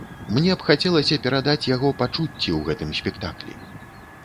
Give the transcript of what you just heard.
Мне б хацелася перадаць яго пачуцці ў гэтым спектаклі.